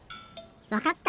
わかった！